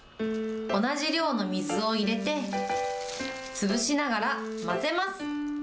同じ量の水を入れて潰しながら混ぜます。